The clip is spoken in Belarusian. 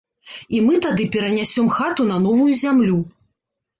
І мы тады перанясём хату на новую зямлю.